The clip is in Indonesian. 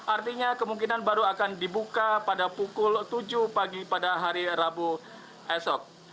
artinya kemungkinan baru akan dibuka pada pukul tujuh pagi pada hari rabu esok